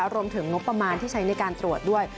รวมถึงงบประมาณที่ใช้ในการตรวจด้วย